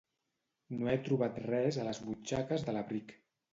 No he trobat res a les butxaques de l'abric.